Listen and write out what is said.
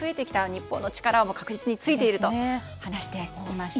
日本の力も確実についていると話していました。